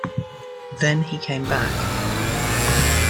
Then he came back.